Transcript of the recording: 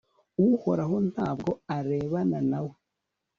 uhoraho nta bwo arebana na we